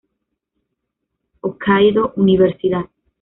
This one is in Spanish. Hokkaido Univ.